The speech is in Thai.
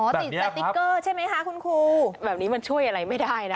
ติดสติ๊กเกอร์ใช่ไหมคะคุณครูแบบนี้มันช่วยอะไรไม่ได้นะ